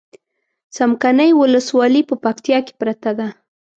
څمکنيو ولسوالي په پکتيا کې پرته ده